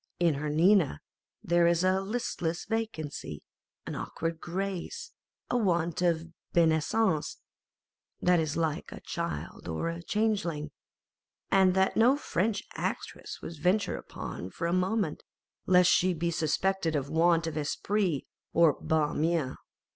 In her Nina there is a listless vacancy, an awkward grace, a want of bienseance, that is like a child or a changeling, and that no French actress would venture upon for a moment, lest she should be suspected of a want of esprit or of ban mien.